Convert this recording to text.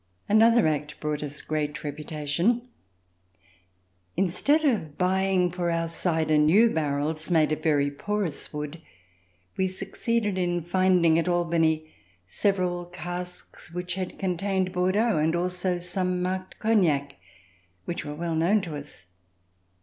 Another act brought us great reputation. Instead of buying for our cider new barrels made of very porous wood, we succeeded in finding at Albany several casks which had contained Bordeaux and also some marked cognac which were well known to us.